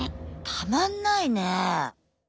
たまんないね。